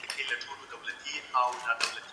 خو د جاسوس په څېر نه.